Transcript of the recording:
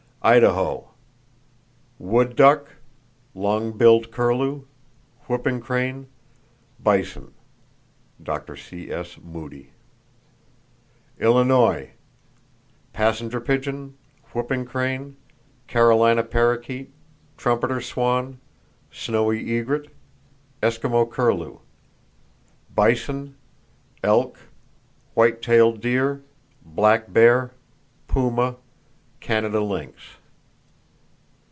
Idaho: Wood duck, long billed curlew, whooping crane; bison.—(Dr. C.S. Moody.) Illinois: Passenger pigeon, whooping crane, Carolina parrakeet, trumpeter swan, snowy egret, Eskimo curlew; bison, elk, white tailed deer, black bear, puma, Canada lynx.